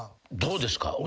どうですか？